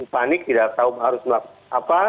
panik tidak tahu harus melakukan apa